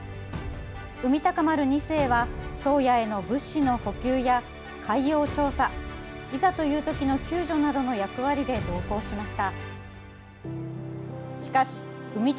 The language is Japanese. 「海鷹丸２世」は「宗谷」への物資の補給や、海洋調査いざというときの救助などの役割で同行しました。